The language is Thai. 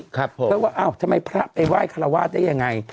ครับผมเพราะว่าอ้าวทำไมพระไปไหว้คาราวาสได้ยังไง